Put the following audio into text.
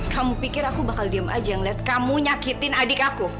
kamu pikir aku bakal diem aja ngeliat kamu nyakitin adik aku